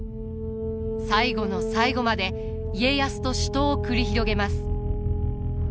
最後の最後まで家康と死闘を繰り広げます。